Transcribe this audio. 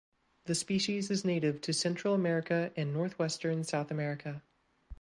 The species is native to Central America and northwestern South America.